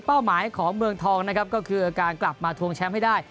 หมายของเมืองทองนะครับก็คือการกลับมาทวงแชมป์ให้ได้